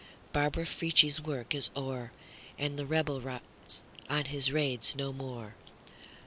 Barbara Frietchie's work is o'er, And the Rebel rides on his raids no more.